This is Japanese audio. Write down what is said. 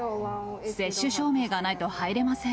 接種証明がないと入れません。